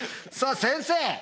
さあ先生。